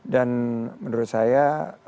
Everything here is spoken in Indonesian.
dan menurut saya